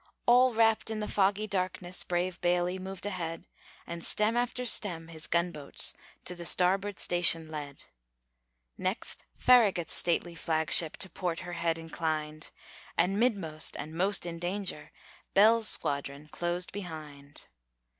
All wrapped in the foggy darkness, Brave Bailey moved ahead; And stem after stern, his gunboats To the starboard station led. Next Farragut's stately flag ship To port her head inclined; And midmost, and most in danger, Bell's squadron closed behind.